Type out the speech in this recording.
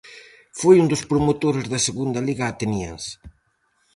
Foi un dos promotores da segunda liga ateniense.